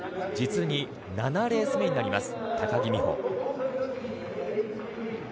実に７レース目になります高木美帆。